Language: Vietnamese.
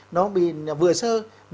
nó bị vừa sơ